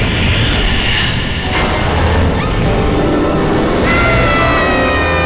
mungkin ini dapat langsung